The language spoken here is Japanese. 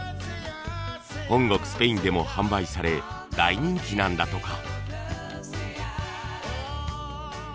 本国スペインでも販売され大人気なんだとか。